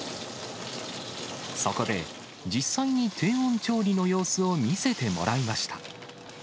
そこで、実際に低温調理の様子を見せてもらいました。